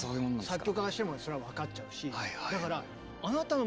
作曲家からしてもそれは分かっちゃうし。